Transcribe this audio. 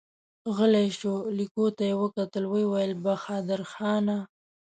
غلی شو، ليکو ته يې وکتل، ويې ويل: بهادرخانه!